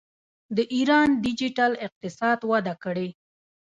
د ایران ډیجیټل اقتصاد وده کړې.